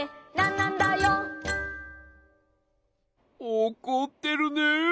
おこってるね。